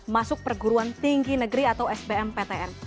masuk perguruan tinggi negeri atau sbm ptn